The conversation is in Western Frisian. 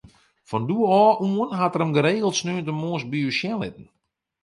Fan doe ôf oan hat er him geregeld sneontemoarns by ús sjen litten.